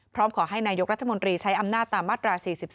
พร้อมขอให้นายกรัฐมนตรีใช้อำนาจตามมาตรา๔๔